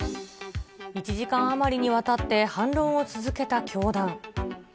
１時間余りにわたって反論を続けた教団。